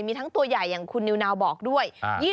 มีทั้งตัวใหญ่อย่างคุณนิวนาวบอกด้วย